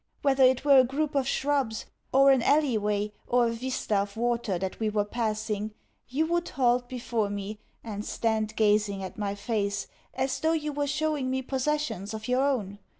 Whether it were a group of shrubs or an alleyway or a vista of water that we were passing, you would halt before me, and stand gazing at my face as though you were showing me possessions of your own.